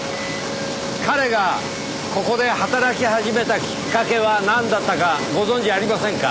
彼がここで働き始めたきっかけはなんだったかご存じありませんか？